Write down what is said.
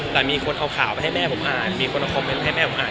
แต่มีคนเอาข่าวไปให้แม่ผมอ่านมีคนเอาคอมเมนต์ให้แม่ผมอ่าน